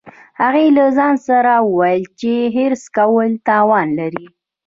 هغې له ځان سره وویل چې حرص کول تاوان لري